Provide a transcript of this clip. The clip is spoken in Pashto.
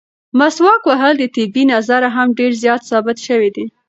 مسواک وهل د طبي نظره هم ډېر زیات ثابت شوي دي.